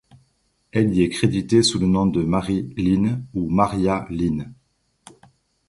Elle y est créditée sous le nom de Marie Lynn ou Maria Lynn.